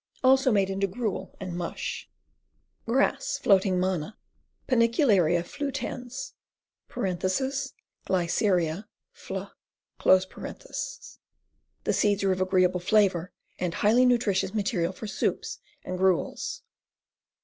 Also made into gruel and mush. Grass, Floating Manna. Fanicularia fluitans (Glyceria The seeds are of agreeable flavor and highly nutritious material for soups and gruels.